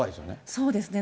そうですね。